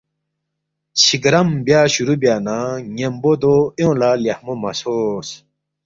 چھیگرَم بیا شروع بیا نہ ن٘یمبو دو ایونگ لہ لیخمو مہ ژھورس